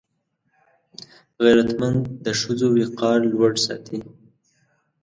غیرتمند د ښځو وقار لوړ ساتي